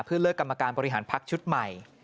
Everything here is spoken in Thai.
เพื่อเลือกกรรมการบริหารพักชุดใหม่